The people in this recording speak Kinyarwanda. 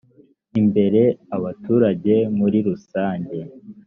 imbere abaturage muri rusange